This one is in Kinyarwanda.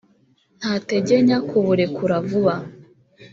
ntategenya kuburekura vuba